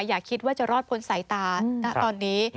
อย่าคิดว่าจะรอดพ้นสายตาณตอนนี้